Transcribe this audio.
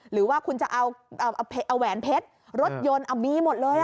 หรือว่าคุณจะเอาแหวนเพชรรถยนต์มีหมดเลย